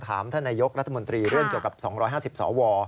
ท่านนายกรัฐมนตรีเรื่องเกี่ยวกับ๒๕๐สว